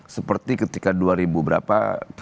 seperti ketika dua ribu berapa